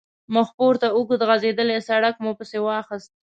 مخپورته اوږد غځېدلی سړک مو پسې واخیست.